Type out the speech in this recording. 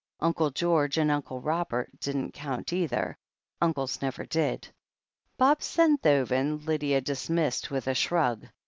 Uncle George and Uncle Robert didn't (!bunt, either — ^uncles never did. Bob Senthoven Lydia dismissed with a shrug.